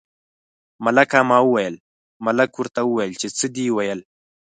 ملکه ما ویل، ملک ورته وویل چې څه دې ویل.